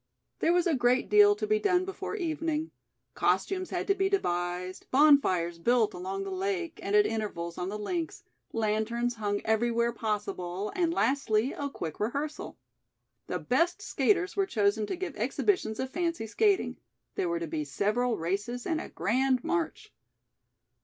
There was a great deal to be done before evening. Costumes had to be devised, bonfires built along the lake and at intervals on the links, lanterns hung everywhere possible and, lastly, a quick rehearsal. The best skaters were chosen to give exhibitions of fancy skating; there were to be several races and a grand march.